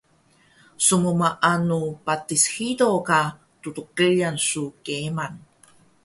Smmaanu patis hido ka ttqiyan su keeman?